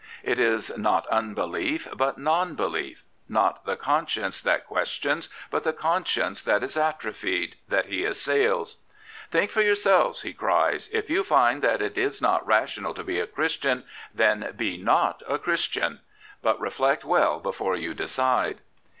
It is not unbelief, but non belief; pot the conscience that questions, but the conscience that is atrophied, that he assails. " Think for your selves," he cries. " If you find that it is not rational to be a Christian, then be not a Christian ; but reflect well before you decide."